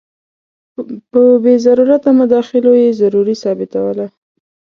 په بې ضرورته مداخلو یې زوروري ثابتوله.